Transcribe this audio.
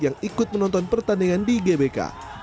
yang ikut menonton pertandingan di gbk